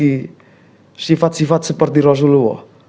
yang memiliki sifat sifat seperti rasulullah